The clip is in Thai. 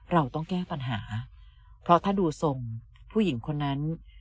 เราต้องแก้ปัญหาเพราะถ้าดูทรงผู้หญิงคนนั้น